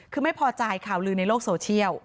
คือไม่พอใจข่าวลือในโลกโซเชียล